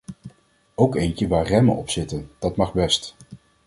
Ook eentje waar remmen op zitten, dat mag best.